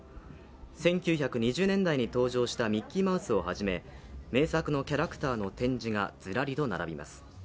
１９２０年代に登場したミッキーマウスをはじめ名作のキャラクターの展示がずらりと並びます。